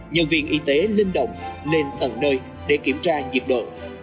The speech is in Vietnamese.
nhân viên y tế linh động lên tầng nơi để kiểm tra nhiệt độ